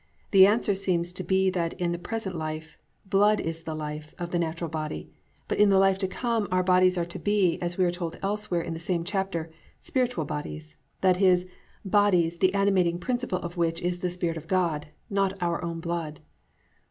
The answer seems to be that in the present life, "blood is the life" of the natural body, but in the life to come our bodies are to be, as we are told elsewhere in this same chapter, "spiritual bodies," i.e., bodies, the animating principle of which is the Spirit of God, not our own blood.